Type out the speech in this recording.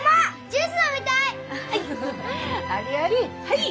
はい。